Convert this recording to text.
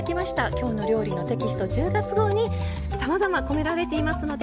「きょうの料理」テキスト１０月号にさまざまこめられていますので